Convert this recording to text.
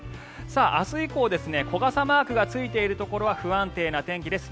明日以降、小傘マークがついているところは不安定な天気です。